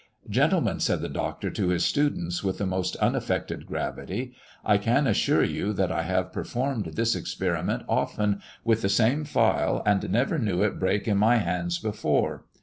"Gentlemen," said the Doctor to his students, with the most unaffected gravity, "I can assure you that I have performed this experiment often with the same phial, and never knew it break in my hands before."